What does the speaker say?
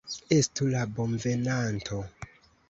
Estu la bonvenanto!